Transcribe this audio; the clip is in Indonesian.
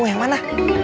mau yang mana